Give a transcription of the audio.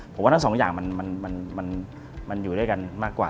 ผมว่าทั้งสองอย่างมันอยู่ด้วยกันมากกว่า